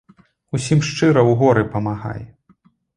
Усім шчыра ў горы памагай.